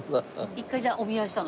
一回じゃあお見合いしたの？